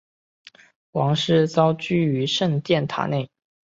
王室遭拘于圣殿塔内。